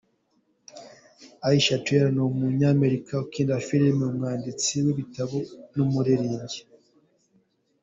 Aisha Tyler: ni umunyamerika ukina filime, umwanditsi w’ibitabo n’umuririmbyi.